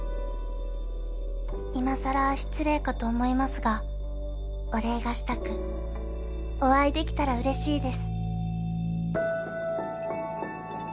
「今さら失礼かと思いますがお礼がしたくお会い出来たら嬉しいです」